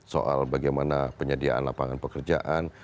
soal bagaimana penyediaan lapangan pekerjaan